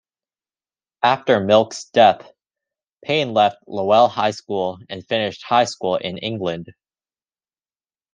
After Milk's death, Payne left Lowell High School and finished high school in England.